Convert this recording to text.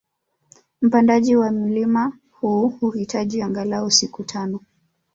Mpandaji wa mlima huu huhitaji angalau siku tano